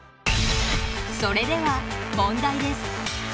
それでは問題です。